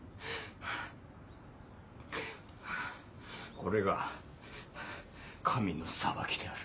これが神の裁きである。